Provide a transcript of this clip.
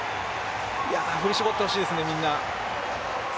いや、振り絞ってほしいですね、みんな。